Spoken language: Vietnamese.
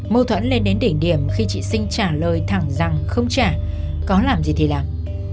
mâu thuẫn lên đến đỉnh điểm khi chị sinh trả lời thẳng rằng không trả có làm gì thì làm